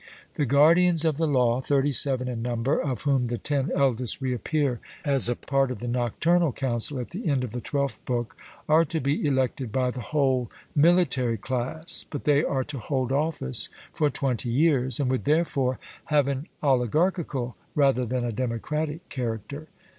The guardians of the law, thirty seven in number, of whom the ten eldest reappear as a part of the Nocturnal Council at the end of the twelfth book, are to be elected by the whole military class, but they are to hold office for twenty years, and would therefore have an oligarchical rather than a democratic character.